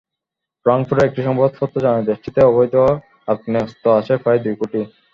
ফ্রাঙ্কফুর্টের একটি সংবাদপত্র জানায়, দেশটিতে অবৈধ আগ্নেয়াস্ত্র আছে প্রায় দুই কোটি।